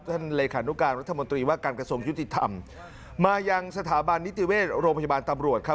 เลขานุการรัฐมนตรีว่าการกระทรวงยุติธรรมมายังสถาบันนิติเวชโรงพยาบาลตำรวจครับ